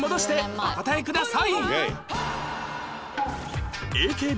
お答えください